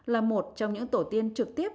là một trong những tổ tiên trực tiếp